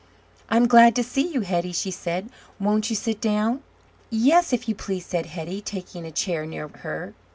"I'm glad to see you, Hetty." she said, "won't you sit down?" "Yes, if you please," said Hetty, taking a chair near her.